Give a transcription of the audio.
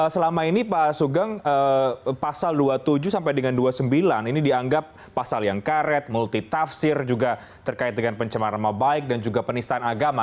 selama ini pak sugeng pasal dua puluh tujuh sampai dengan dua puluh sembilan ini dianggap pasal yang karet multitafsir juga terkait dengan pencemaran nama baik dan juga penistaan agama